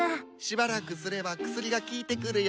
しばらくすれば薬が効いてくるよ。